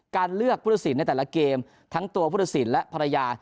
การเลือกผู้ตัดสินในแต่ละเกมทั้งตัวพุทธศิลป์และภรรยา